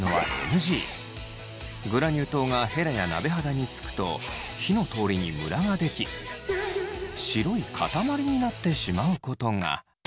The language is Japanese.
グラニュー糖がヘラや鍋肌につくと火の通りにムラが出来白い塊になってしまうことが。